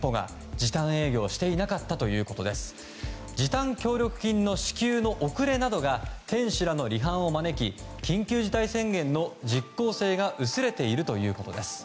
時短協力金の支給の遅れなどが店主らの離反を招き緊急事態宣言の実効性が薄れているということです。